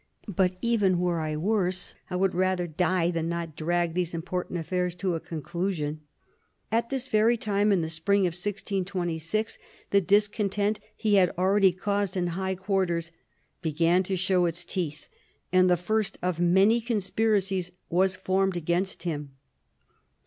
But even were I worse, I would rather die than not drag these important affairs to a conclusion." At this very time, in the spring of 1626, the discontent he had already caused in high quarters began to show its teeth, and the first of many conspiracies was formed against him.